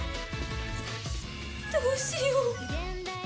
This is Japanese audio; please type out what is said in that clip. どうしよう！